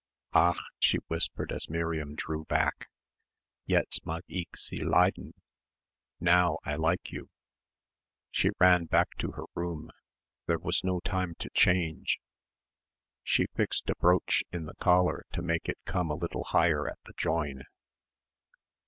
"Ach!" she whispered as Miriam drew back. "Jetzt mag' ich Sie leiden. Now I like you." She ran back to her room. There was no time to change. She fixed a brooch in the collar to make it come a little higher at the join.